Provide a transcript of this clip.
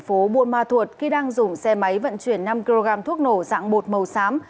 bố buôn ma thuật khi đang dùng xe máy vận chuyển năm kg thuốc nổ dạng bột màu xám